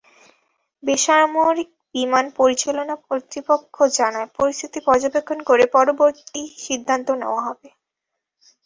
বেসামরিক বিমান পরিচালনা কর্তৃপক্ষ জানায়, পরিস্থিতি পর্যবেক্ষণ করে পরবর্তী সিদ্ধান্ত নেওয়া হবে।